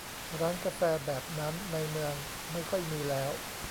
ร้านกาแฟแบบนั้นในเมืองไม่ค่อยมีแล้ว